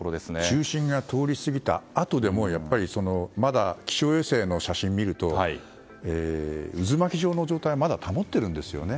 中心が通り過ぎたあとでもまだ気象衛星の写真を見ると渦巻き状の状態をまだ保っているんですよね。